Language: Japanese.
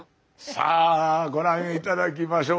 さあご覧頂きましょう。